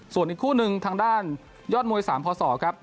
ส่วนอีกคู่หนึ่งทางด้านยอดมวย๓พศครับ